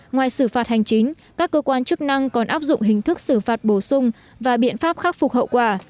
ngoài xử phạt hành chính các cơ quan chức năng còn áp dụng hình thức xử phạt bổ sung và biện pháp khắc phục hậu quả